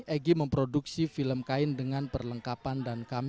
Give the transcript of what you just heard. egy memproduksi film kain dengan perlengkapan dan kamera